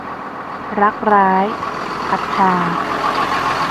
รักร้าย - พัดชา